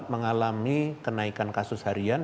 mengalami kenaikan kasus harian